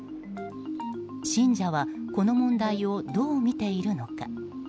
信者は、この問題をどう見ているのか。